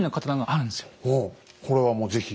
これはもう是非。